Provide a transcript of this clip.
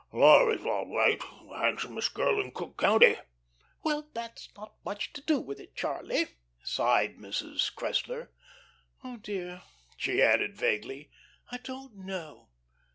"Pshaw! Laura's all right. The handsomest girl in Cook County." "Well, that's not much to do with it, Charlie," sighed Mrs. Cressler. "Oh, dear," she added vaguely. "I don't know."